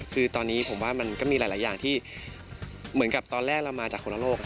คือตอนนี้ผมว่ามันก็มีหลายอย่างที่เหมือนกับตอนแรกเรามาจากคนละโลก